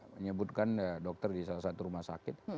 menyebutkan dokter di salah satu rumah sakit